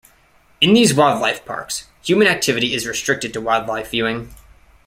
In these wildlife parks human activity is restricted to wildlife viewing.